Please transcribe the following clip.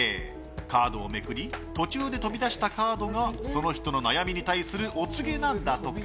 カードをめくり途中で飛び出したカードがその人の悩みに対するお告げなんだとか。